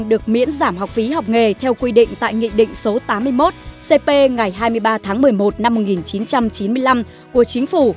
được miễn giảm học phí học nghề theo quy định tại nghị định số tám mươi một cp ngày hai mươi ba tháng một mươi một năm một nghìn chín trăm chín mươi năm của chính phủ